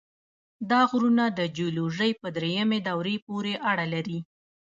دا غرونه د جیولوژۍ په دریمې دورې پورې اړه لري.